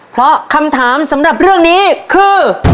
เพราะคำถามสำหรับเรื่องนี้คือ